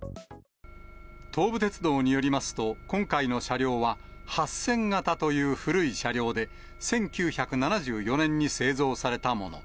東武鉄道によりますと、今回の車両は８０００型という古い車両で、１９７４年に製造されたもの。